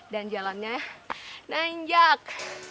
dan jalannya nanjak